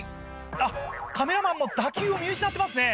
あっカメラマンも打球を見失ってますね。